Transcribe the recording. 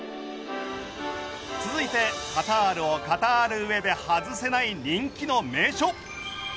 続いてカタールを語る上で外せない人気の名所。